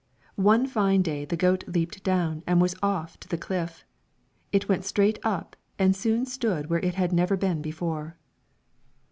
One fine day the goat leaped down and was off to the cliff; it went straight up and soon stood where it had never been before.